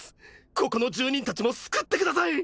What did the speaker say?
ここの住人達も救ってください！